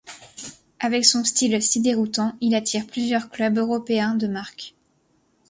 Avec son style si déroutant, il attire plusieurs clubs européens de marque.